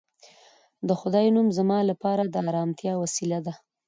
د خدای نوم زما لپاره د ارامتیا وسیله ده